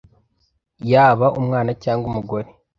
yaba umwana cyangwa umugore